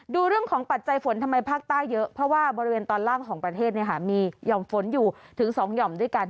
ดูเรื่องของปัจจัยฝนทำไมภาคใต้เยอะเพราะว่าบริเวณตอนล่างของประเทศมีห่อมฝนอยู่ถึง๒หย่อมด้วยกัน